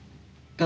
kalau sekian pak